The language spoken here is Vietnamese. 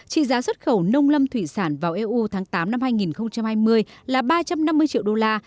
trị giá xuất khẩu nông lâm thủy sản vào eu tháng tám năm hai nghìn hai mươi là ba trăm năm mươi triệu đô la